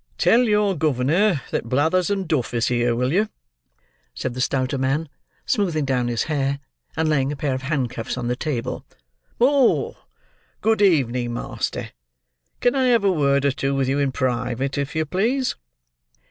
"Tell your governor that Blathers and Duff is here, will you?" said the stouter man, smoothing down his hair, and laying a pair of handcuffs on the table. "Oh! Good evening, master. Can I have a word or two with you in private, if you please?"